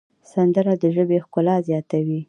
سندره د ژبې ښکلا زیاتوي